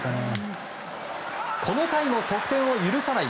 この回も得点を許さない